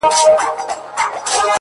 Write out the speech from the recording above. • اې ښكلي پاچا سومه چي ستا سومه ـ